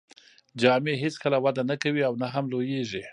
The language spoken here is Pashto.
جامې هیڅکله وده نه کوي او نه هم لوییږي.